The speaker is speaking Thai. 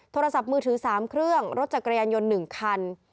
โทรศัพท์มือถือ๓เครื่องรถจักรยานยนต์๑คัน